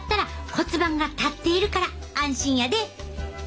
骨盤が立っているから安心やで！